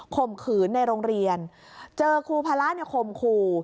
ข่มขืนในโรงเรียนเจอครูภาระเนี่ยข่มขู่